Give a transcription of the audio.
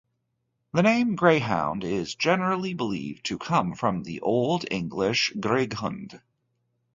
The name "Greyhound" is generally believed to come from the Old English "grighund".